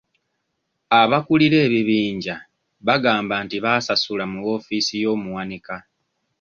Abakulira ebibiinja bagamba nti baasasula mu woofiisi y'omuwanika.